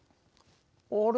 あれ？